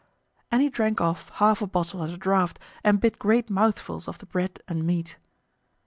And he drank off half a bottle at a draught and bit great mouthfuls of the bread and meat.